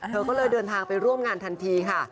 เธอก็เลยเดินทางไปร่วมงานทันทีค่ะ